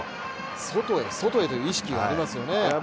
外へ、外へという意識がありますよね。